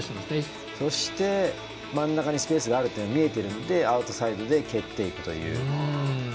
そして真ん中にスペースがあるのが見えているので、アウトサイドで蹴っていくという。